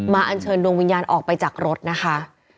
อันเชิญดวงวิญญาณออกไปจากรถนะคะ